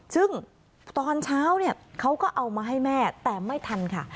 ซึ่งตอนเช้าเนี่ยเขาก็เอามาให้แม่แต่ไม่ทันค่ะ